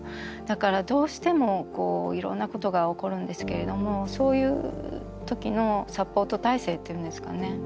だからどうしてもいろんなことが起こるんですけれどもそういう時のサポート体制っていうんですかね